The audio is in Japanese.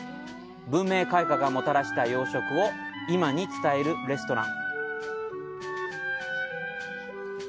文明開化がもたらした洋食を今に伝えるレストラン。